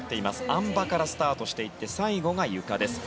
あん馬からスタートしていって最後がゆかです。